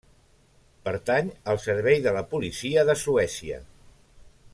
Pertany al Servei de la Policia de Suècia.